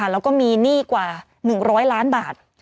แล้วก็มีหนี้กว่า๑๐๐ล้านบาท